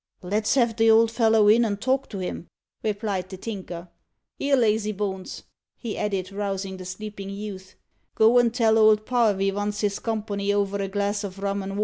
"Let's have the old fellow in and talk to him," replied the Tinker. "Here, lazy bones," he added, rousing the sleeping youth, "go an' tell Old Parr ve vants his company over a glass o' rum an' vater."